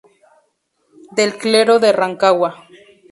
Del clero de Rancagua.